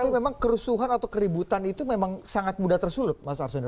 tapi memang kerusuhan atau keributan itu memang sangat mudah tersulut mas arswendo